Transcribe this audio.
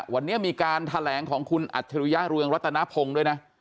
วันนี้มีการแถลงของคุณอัจฉริยะเรืองรัตนพงศ์ด้วยนะ